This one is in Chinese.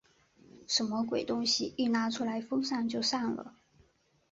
什么鬼东西？一拿出来风扇就散了。